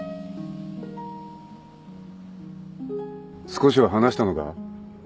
少しは話したのか？